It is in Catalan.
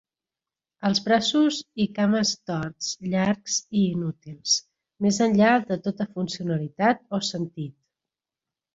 Els braços i cames torts, llargs i inútils, més enllà de tota funcionalitat o sentit.